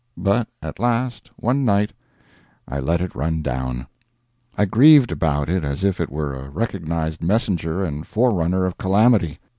But at last, one night, I let it run down. I grieved about it as if it were a recognized messenger and forerunner of calamity.